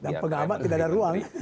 dan penggambar tidak ada ruang